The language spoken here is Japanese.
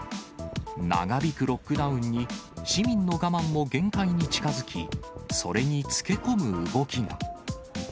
長引くロックダウンに、市民の我慢も限界に近づき、それにつけ込む動きが。